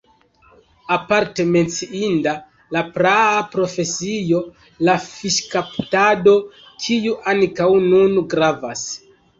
Aparte menciinda la praa profesio la fiŝkaptado, kiu ankaŭ nun gravas.